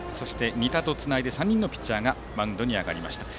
仁田とつないで３人のピッチャーがマウンドに上がりました。